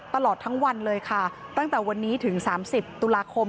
ตลอดทั้งวันเลยค่ะตั้งแต่วันนี้ถึง๓๐ตุลาคม